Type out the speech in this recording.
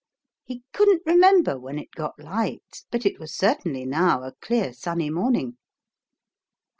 (He couldn't re member when it got light, but it was certainly now a clear sunny morning.)